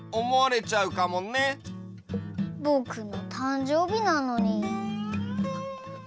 ぼくのたんじょうびなのに。